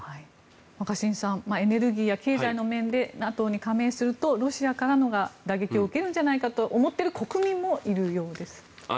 若新さんエネルギーや経済の面でＮＡＴＯに加盟するとロシアからの打撃を受けるんじゃないかと思っている国民もいるようです。